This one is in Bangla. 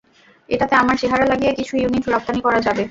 এটাতে আমার চেহারা লাগিয়ে কিছু ইউনিট রপ্তানি করা যাবে।